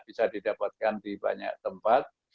bisa didapatkan di banyak tempat